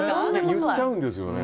行っちゃうんですよね。